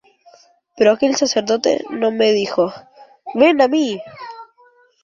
Pero aquel sacerdote no me dijo: '¡Ven a mí!